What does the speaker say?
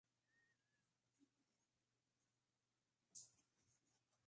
Algunos buques patrulleros modernos aún están basados en lanchas civiles o pesqueros.